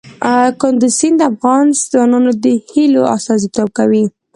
کندز سیند د افغان ځوانانو د هیلو استازیتوب کوي.